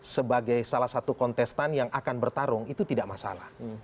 sebagai salah satu kontestan yang akan bertarung itu tidak masalah